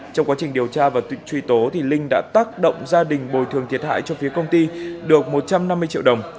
trong quá trình điều tra và truy tố linh đã tác động gia đình bồi thường thiệt hại cho phía công ty được một trăm năm mươi triệu đồng